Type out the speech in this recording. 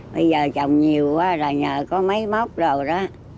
bây giờ chồng nhiều quá là nhờ có mấy mốc rồi đó